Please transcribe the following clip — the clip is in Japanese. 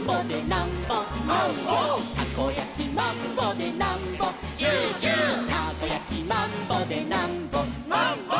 「たこやきマンボでなんぼチューチュー」「たこやきマンボでなんぼマンボ」